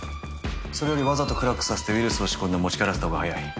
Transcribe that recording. それよりわざとクラックさせてウイルスを仕込んで持ち帰らせたほうが早い。